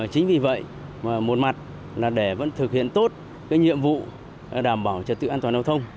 chính vì vậy mà một mặt là để vẫn thực hiện tốt cái nhiệm vụ đảm bảo trật tự an toàn giao thông